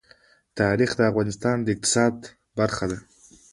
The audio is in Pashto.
تاریخ د افغانستان د اقتصاد برخه ده.